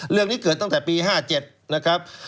เรื่องนี้เกิดตั้งแต่ปี๕๗นะครับ